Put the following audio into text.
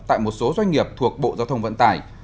tại một số doanh nghiệp thuộc bộ giao thông vận tải